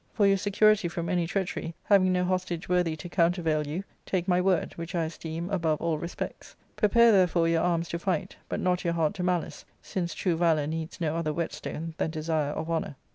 For your security from any treachery, having no hostage worthy to countervail you, take my word, which I esteem above all respects. Prepare therefore your arms to fight, but not your heart to malice, since true valour needs no other whetstone than desire of honour."